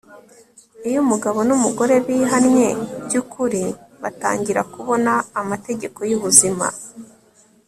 iyo umugabo n'umugore bihannye by'ukuri, batangira kubona amategeko y'ubuzima